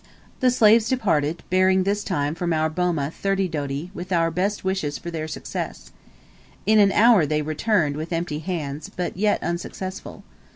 The slaves departed, bearing this time from our boma thirty doti, with our best wishes for their success. In an hour they returned with empty hands, but yet unsuccessful.